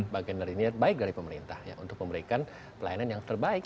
bagian dari niat baik dari pemerintah untuk memberikan pelayanan yang terbaik